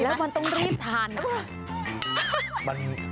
แล้วมันต้องรีบทาน